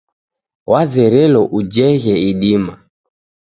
Wazerelo ujeghe idima.